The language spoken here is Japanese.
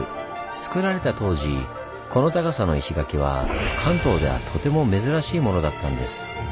つくられた当時この高さの石垣は関東ではとても珍しいものだったんです。